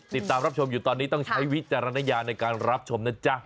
ติดตามรับชมอยู่ตอนนี้ต้องใช้วิจารณญาณในการรับชมนะจ๊ะ